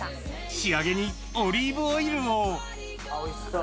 仕上げにオリーブオイルをおいしそう。